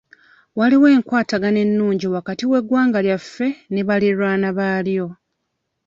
Waliwo enkwatagana ennungi wakati w'eggwanga lyaffe ne baliraanwa baalyo.